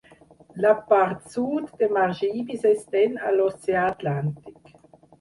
La part sud de Margibi s'estén a l'oceà atlàntic.